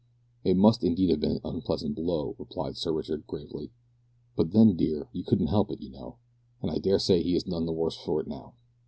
"It must indeed have been an unpleasant blow," replied Sir Richard, gravely, "but then, dear, you couldn't help it, you know and I dare say he is none the worse for it now.